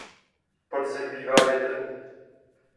Podzim bývá větrný.